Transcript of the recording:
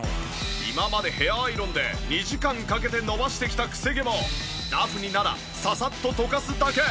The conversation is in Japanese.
今までヘアアイロンで２時間かけて伸ばしてきたクセ毛もダフニならささっととかすだけ！